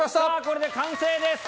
これで完成です。